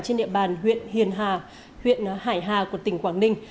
trên địa bàn huyện hiền hà huyện hải hà của tỉnh quảng ninh